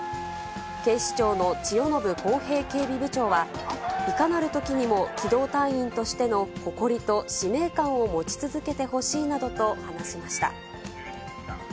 警視庁の千代延晃平警備部長は、いかなるときにも機動隊員としての誇りと使命感を持ち続けてほしいなどと話しました。